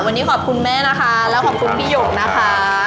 วันนี้ขอบคุณแม่นะคะแล้วขอบคุณพี่หยกนะคะ